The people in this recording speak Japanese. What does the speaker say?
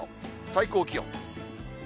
最高気温。